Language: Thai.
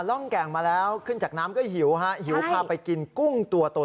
ร่องแก่งมาแล้วขึ้นจากน้ำก็หิวฮะหิวพาไปกินกุ้งตัวตน